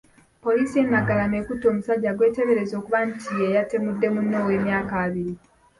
Poliisi y'e Naggalama ekutte omusajja gw'eteebereza okuba nti ye yatemudde munne ow'emyaka abiri.